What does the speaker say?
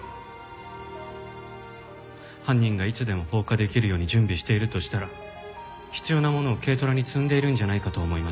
犯人がいつでも放火できるように準備しているとしたら必要なものを軽トラに積んでいるんじゃないかと思いました。